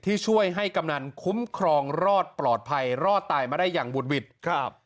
ที่ช่วยให้กำนันคุ้มครองรอดปลอดภัยรอดตายมาได้อย่างบุดหวิดครับ